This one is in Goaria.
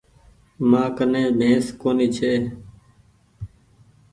مآ ڪني بينس ڪونيٚ ڇي۔